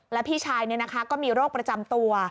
แล้วพี่ชายเนี่ยนะคะก็มีโรคประจำตัว